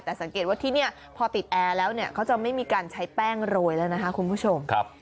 แต่สังเกตว่าที่นี่พอติดแอร์แล้วเนี่ยเขาจะไม่มีการใช้แป้งโรยแล้วนะคะคุณผู้ชม